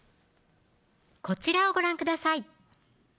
こちらをご覧ください